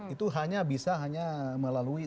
itu hanya bisa melalui